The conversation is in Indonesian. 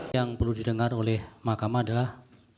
yang perlu didengar oleh mahkamah adalah